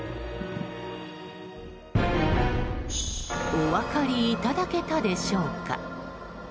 お分かりいただけたでしょうか。